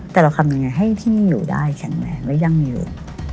แต่เราทำยังไงให้ที่อยู่ได้แข็งแรงและยั่งยืน